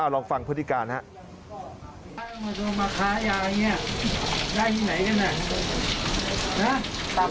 ลองฟังพฤติการครับ